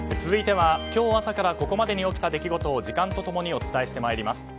続いては今日朝からここまでに起きた出来事を時間と共にお伝えしてまいります。